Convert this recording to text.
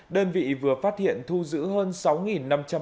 đơn vị vừa phát hiện thu giữ hơn sáu mươi pháo